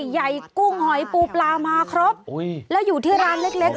ใหญ่กุ้งหอยปูปลามาครบแล้วอยู่ที่ร้านเล็กเล็ก